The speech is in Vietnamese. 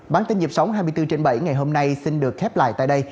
bản tin nhịp sống hai mươi bốn trên bảy ngày hôm nay xin được khép lại tại đây